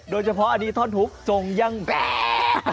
โดยเฉพาะอันนี้ท่อนถุกจงยังแป๊บ